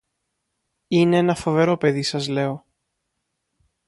είναι ένα φοβερό παιδί σας λέω